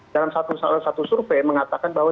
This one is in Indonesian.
dalam satu survei mengatakan bahwa